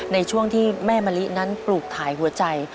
ในช่วงที่แม่มะลินั้นปลูกถ่ายหัวใจ